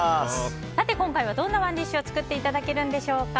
今回はどんなＯｎｅＤｉｓｈを作っていただけるのでしょうか。